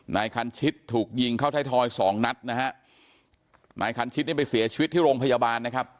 นายคันชิตถูกยิงเข้าไทยทอยสองนัดนะฮะนายคันชิดนี่ไปเสียชีวิตที่โรงพยาบาลนะครับ